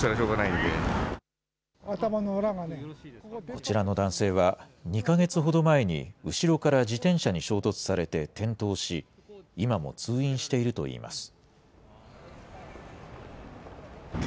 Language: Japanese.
こちらの男性は、２か月ほど前に、後ろから自転車に衝突されて転倒し、今も通院しているといいます。